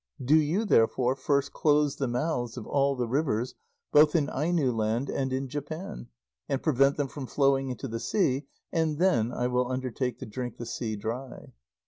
Do you therefore first close the mouths of all the rivers both in Aino land and in Japan, and prevent them from flowing into the sea, and then I will undertake to drink the sea dry."